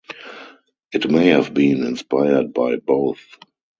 It may have been inspired by both.